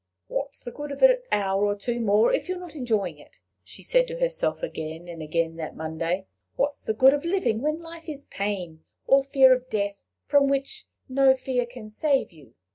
"What's the good of an hour or two more if you're not enjoying it?" she said to herself again and again that Monday. "What's the good of living when life is pain or fear of death, from which no fear can save you?"